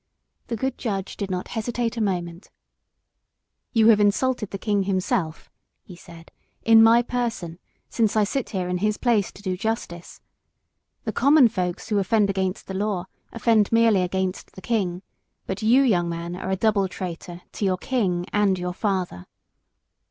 The good judge did not hesitate a minute. "You have insulted the king himself," he said, "in my person, since I sit here in his place to do justice. The common folks who offend against the law offend merely against the king; but you, young man, are a double traitor to your king and your father."